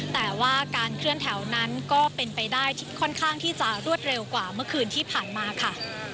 แต่ว่าการเคลื่อนแถวนั้นก็เป็นไปได้ค่อนข้างที่จะรวดเร็วกว่าเมื่อคืนที่ผ่านมาค่ะ